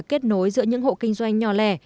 kết nối giữa những hộ kinh doanh nhỏ lẻ